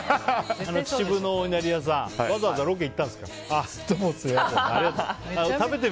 秩父のいなり屋さんわざわざロケ行ったんですか。